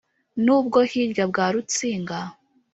N'ubwo hirya bwa Rutsinga